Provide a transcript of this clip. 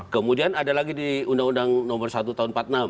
kemudian ada lagi di undang undang nomor satu tahun empat puluh enam